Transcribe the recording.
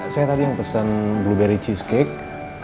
saya tadi yang pesan blueberry cheesecake